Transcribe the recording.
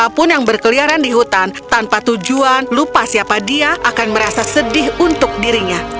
siapapun yang berkeliaran di hutan tanpa tujuan lupa siapa dia akan merasa sedih untuk dirinya